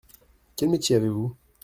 Quel métier avez-vous ?